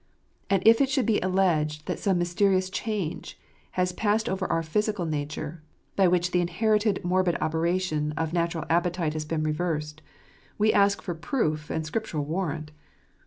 And if it should be alleged that some mysterious change has passed over our physical nature, by which the inherited morbid operation of natural appetite has been reversed, we ask for proof and Scriptural warrant.